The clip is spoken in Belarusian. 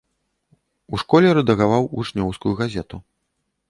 У школе рэдагаваў вучнёўскую газету.